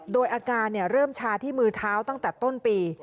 โดยอาการเริ่มชาที่มือเท้าตั้งแต่ต้นปี